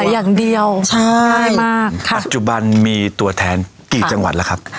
อย่างเดียวใช่มากค่ะปัจจุบันมีตัวแทนกี่จังหวัดแล้วครับ